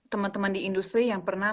teman teman di industri yang pernah